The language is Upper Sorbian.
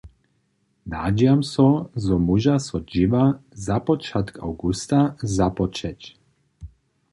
Nadźijamy so, zo móža so dźěła spočatk awgusta započeć.